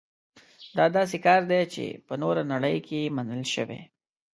دا داسې کار دی چې په نوره نړۍ کې منل شوی.